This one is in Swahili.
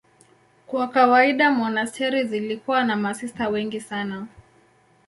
Kwa kawaida monasteri zilikuwa na masista wengi sana.